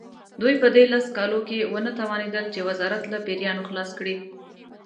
دوی په دې لسو کالو کې ونه توانېدل چې وزارت له پیریانو خلاص کړي.